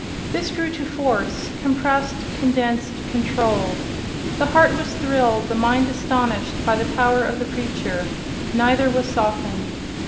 This grew to force—compressed, condensed, controlled. The heart was thrilled, the mind astonished, by the power of the preacher: neither were softened.